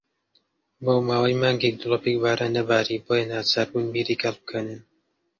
بۆ ماوەی مانگێک دڵۆپێک باران نەباری، بۆیە ناچار بوون بیرێک هەڵبکەنن.